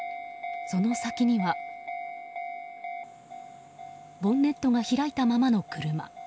その先にはボンネットが開いたままの車。